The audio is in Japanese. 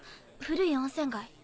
古い温泉街。